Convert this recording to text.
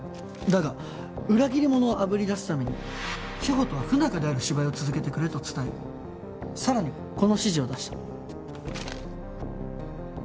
「だが裏切り者をあぶり出すために志法とは不仲である芝居を続けてくれ」と伝えさらにこの指示を出した。